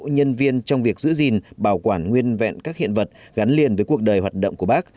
nhân viên trong việc giữ gìn bảo quản nguyên vẹn các hiện vật gắn liền với cuộc đời hoạt động của bác